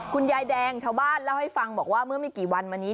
คุณยายแดงชาวบ้านเล่าให้ฟังบอกว่าเมื่อไม่กี่วันมานี้